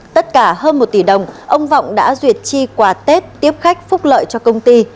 tất cả hơn một tỷ đồng ông vọng đã duyệt chi quà tết tiếp khách phúc lợi cho công ty